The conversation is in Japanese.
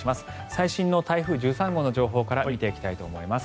最新の台風１３号の情報から見ていきたいと思います。